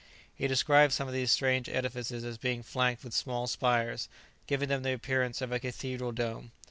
He described some of these strange edifices as being flanked with small spires, giving them the appearance of a cathedral dome.